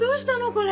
これ。